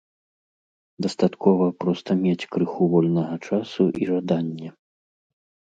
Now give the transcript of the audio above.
Дастаткова проста мець крыху вольнага часу і жаданне.